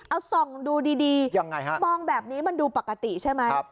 เอาส่องดูดียังไงฮะมองแบบนี้มันดูปกติใช่ไหม